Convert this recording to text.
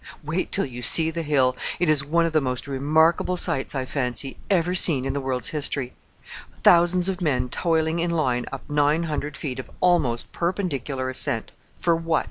Wait till you see the hill! It is one of the most remarkable sights, I fancy, ever seen in the world's history: thousands of men toiling in line up nine hundred feet of almost perpendicular ascent for what?